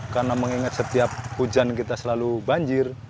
karena mengingat setiap hujan kita selalu banjir